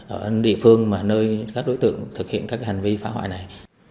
ở địa phương mà nơi các đối tượng thực hiện các hành vi phá hoại này